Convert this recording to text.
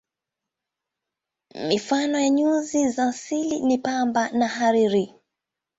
Mifano ya nyuzi za asili ni pamba na hariri.